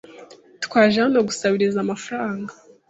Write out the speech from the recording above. Twaje hano gusabiriza amafaranga